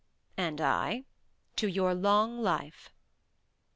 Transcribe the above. "And I to your long life."